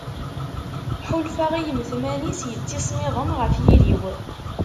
Ḥulfaɣ i yimetman-is yettismiḍen ɣef yiri-w.